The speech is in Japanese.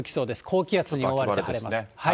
高気圧に覆われて晴れます。